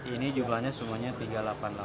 ini jumlahnya semuanya tiga ratus delapan puluh delapan